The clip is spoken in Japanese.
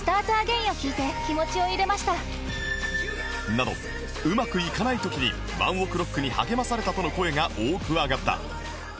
など「うまくいかない時に ＯＮＥＯＫＲＯＣＫ に励まされた」との声が多く上がった